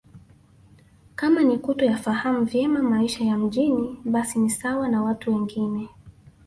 Kama ni kutoyafahamu vyema maisha ya mjini basi ni sawa na watu wengine